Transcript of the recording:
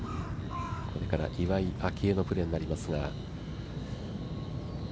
これから岩井明愛のプレーになりますが。